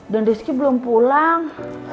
dan rizky belum pulang